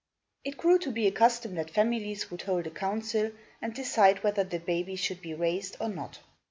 It grew to be a custom that families would hold a council and decide whether the baby should be raised or not.